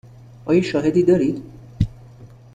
آیا شاهدی دارید؟